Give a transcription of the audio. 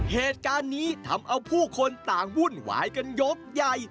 เหตุการณ์นี้ทำเอาผู้คนต่างวุ่นวายกันยกใหญ่